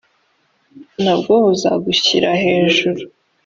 na bwo buzagushyira hejuru